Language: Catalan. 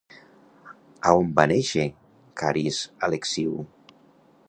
A on va néixer Kharis Alexiu?